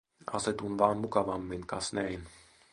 Asetun vaan mukavammin, kas näin.